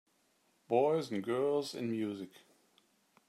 Boys and girls and music.